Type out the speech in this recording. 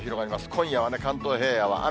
今夜は関東平野は雨。